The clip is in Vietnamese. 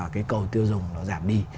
cái cầu tiêu dùng nó giảm đi